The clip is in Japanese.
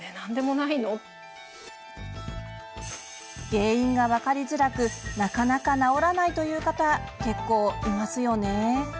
原因が分かりづらくなかなか治らないという方結構いますよね。